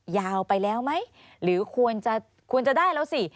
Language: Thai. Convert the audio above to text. ยาวไปแล้วไหมหรือควรจะควรจะได้แล้วสิ